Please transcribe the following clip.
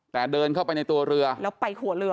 แต่เดินเข้าไปในตัวเรือ